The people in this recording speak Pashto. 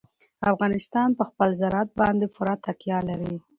افغانستان په خپل زراعت باندې پوره تکیه لري.